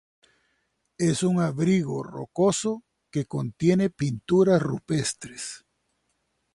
Es un abrigo rocoso que contiene pinturas rupestres.